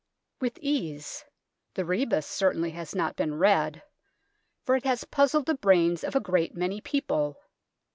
" With ease," the rebus certainly has not been read, for it has puzzled the brains of a great many people.